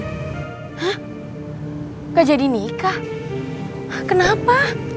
hah gak jadi nikah kenapa